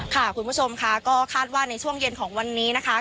คุณผู้ชมค่ะก็คาดว่าในช่วงเย็นของวันนี้นะคะ